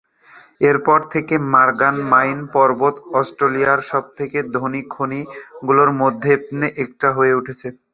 এরপর থেকে Morgan mine পর্বত অস্ট্রেলিয়ার সবচেয়ে ধনী খনিগুলোর মধ্যে একটা হয়ে উঠেছে।